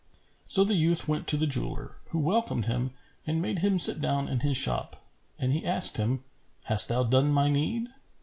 So the youth went to the jeweller, who welcomed him and made him sit down in his shop; and he asked him, "Hast thou done my need?"